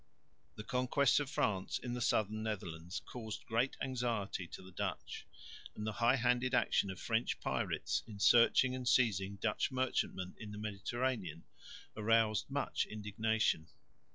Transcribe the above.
The conquests of France in the southern Netherlands caused great anxiety to the Dutch; and the high handed action of French pirates in searching and seizing Dutch merchantmen in the Mediterranean aroused much indignation.